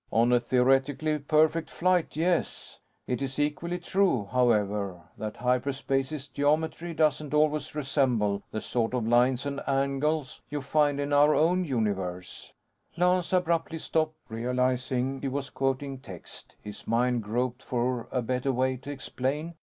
"On a theoretically perfect flight, yes. It's equally true, however, that hyperspace's geometry doesn't always resemble the sort of lines and angles you find in our own universe "Lance abruptly stopped, realizing he was quoting text; his mind groped for a better way to explain.